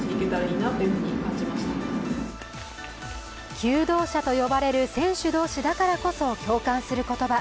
求道者と呼ばれる選手同士だからこそ共感する言葉。